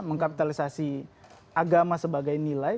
mengkapitalisasi agama sebagai nilai